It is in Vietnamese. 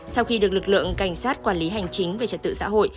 sau khi được lực lượng cảnh sát quản lý hành chính về trật tự xã hội